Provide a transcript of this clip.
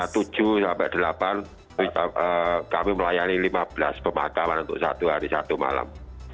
tujuh sampai delapan kami melayani lima belas pemakaman untuk satu hari satu malam